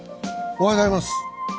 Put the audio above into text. おはようございます。